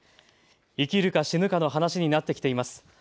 生きるか死ぬかの話になってきています。